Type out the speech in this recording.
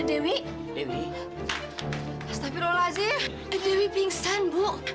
dewi dewi astaghfirullahaladzim dewi pingsan buk